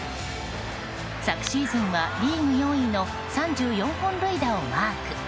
昨シーズンはリーグ４位の３４本塁打をマーク。